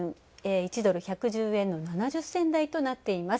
１ドル＝１１０円７０銭台となっています。